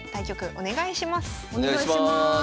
お願いします。